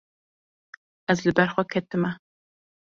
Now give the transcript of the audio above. Ez li ber xwe ketime.